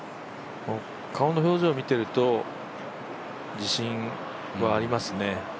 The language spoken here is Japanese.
顔の表情を見ていると、自信はありますね。